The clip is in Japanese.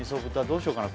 どうしようかな